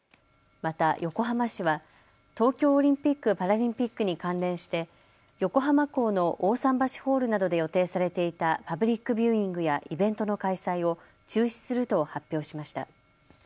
また横浜市は東京オリンピック・パラリンピックに関連して横浜港の大さん橋ホールなどで予定されていたパブリックビューイングやイベントの開催を中止すると発表しました。